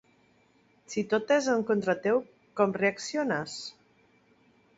Si tot és en contra teu, com reacciones?